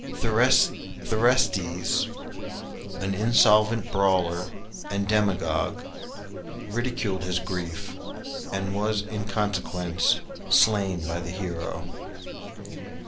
Thersites, an insolent brawler and demagogue, ridiculed his grief, and was in consequence slain by the hero.